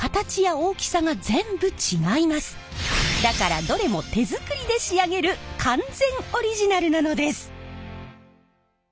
だからどれも手作りで仕上げる完全オリジナルなのです！